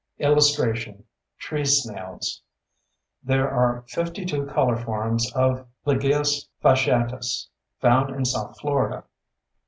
[Illustration: TREE SNAILS There are 52 color forms of Liguus fasciatus found in south Florida.